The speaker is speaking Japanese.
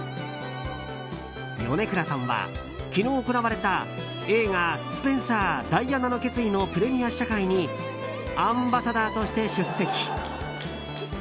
米倉さんは昨日行われた映画「スペンサーダイアナの決意」のプレミア試写会にアンバサダーとして出席。